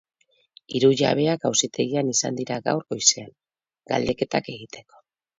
Hiru jabeak auzitegian izan dira gaur goizean, galdeketak egiteko.